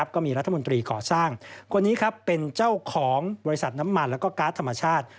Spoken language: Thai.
ก็มีรัฐมนตรีก่อสร้างคนนี้เป็นเจ้าของบริษัทน้ำมันแล้วก็การ์ดธรรมชาติ